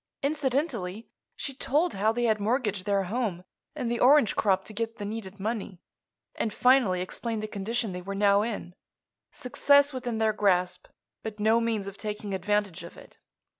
Incidentally she told how they had mortgaged their home and the orange crop to get the needed money, and finally explained the condition they were now in—success within their grasp, but no means of taking advantage of it.